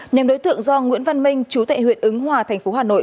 nhóm đối tượng do nguyễn văn minh chú tại huyện ứng hòa thành phố hà nội